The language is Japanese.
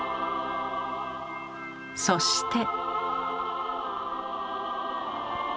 そして。